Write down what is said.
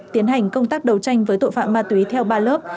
tiến hành công tác đấu tranh với tội phạm ma túy theo ba lớp